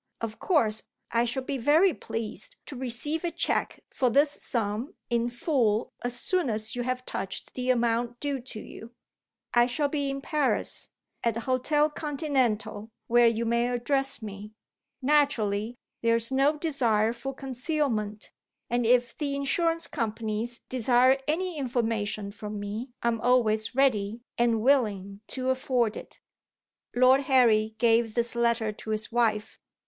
Of course, I shall be very pleased to receive a cheque for this sum in full as soon as you have touched the amount due to you. I shall be in Paris, at the Hotel Continental, where you may address me. Naturally, there is no desire for concealment, and if the Insurance Companies desire any information from me I am always ready and willing to afford it." Lord Harry gave this letter to his wife.